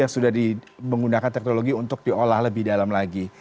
yang sudah digunakan teknologi untuk diolah lebih dalam lagi